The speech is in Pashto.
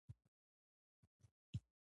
د خلکو د خبرو په کيسه کې مه کېږئ.